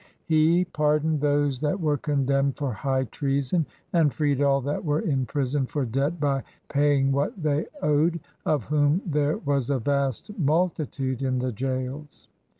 He par doned those that were condemned for high treason and freed all that were in prison for debt by paying what they owed, of whom there was a vast multitude in the jails.